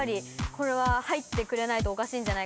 これは入ってくれないとおかしいんじゃないかと思って。